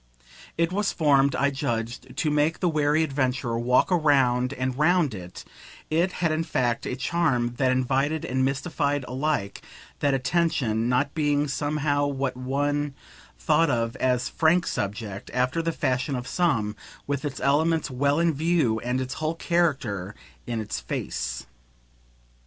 It was formed, I judged, to make the wary adventurer walk round and round it it had in fact a charm that invited and mystified alike that attention; not being somehow what one thought of as a "frank" subject, after the fashion of some, with its elements well in view and its whole character in its face.